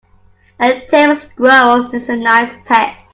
A tame squirrel makes a nice pet.